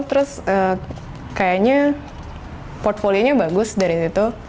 terus kayaknya portfolio nya bagus dari situ